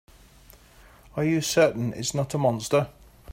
Are you certain it's not a monster?